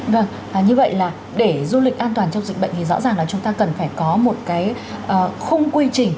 vâng như vậy là để du lịch an toàn trong dịch bệnh thì rõ ràng là chúng ta cần phải có một cái khung quy trình